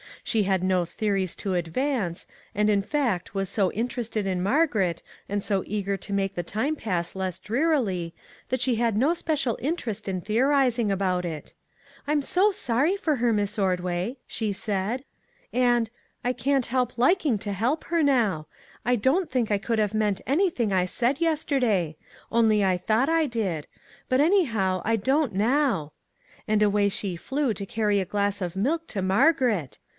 She had no theories to advance, and in fact was so in terested in Margaret, and so eager to make the time pass less drearily, that she had no special interest in theorizing about it. ' I'm so sorry for her ! Miss Ordway,' she said, and ' I can't 282 "WHAT MADE YOU CHANGE?" help liking to help her now. I don't think I could have meant anything I said yesterday; only I thought I did; but, anyhow, I don't now ;' and away she flew to carry a glass of milk to Margaret.